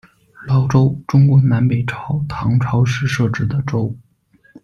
劳州，中国南北朝、唐朝时设置的州。